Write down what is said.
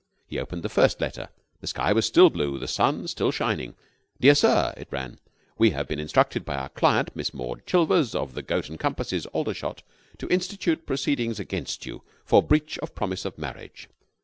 He opened the first letter. The sky was still blue, the sun still shining. "Dear Sir," (it ran). "We have been instructed by our client, Miss Maud Chilvers, of the Goat and Compasses, Aldershot, to institute proceedings against you for Breach of Promise of Marriage.